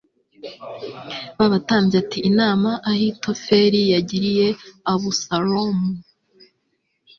b abatambyi ati Inama Ahitofeli yagiriye Abusalomu